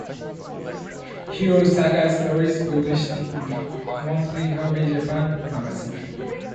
Hero Saga stories published in "Monthly Hobby Japan" magazine.